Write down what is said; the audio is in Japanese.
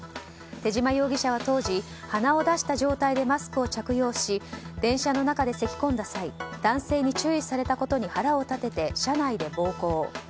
手島容疑者は当時鼻を出した状態でマスクを着用し電車でせき込んだ際注意されたことに腹を立て車内で暴行。